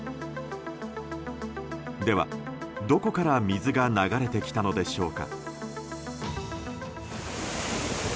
では、どこから水が流れてきたのでしょうか。